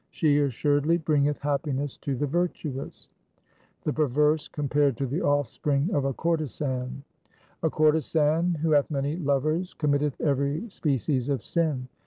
She assuredly bringeth happiness to the virtuous. 2 The perverse compared to the offspring of a courtesan :— A courtesan who hath many lovers committeth every species of sin.